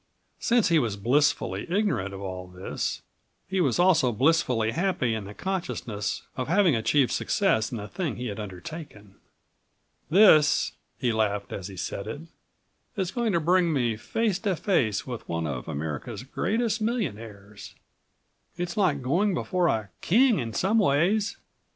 Since he was blissfully ignorant of all this he was also blissfully happy in the consciousness of having achieved success in the thing he had undertaken. "This," he laughed as he said it, "is going to bring me face to face with one of America's greatest millionaires. It's like going before a king in some ways.